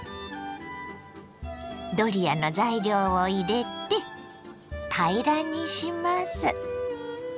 ドリアの材料を入れて平らにします。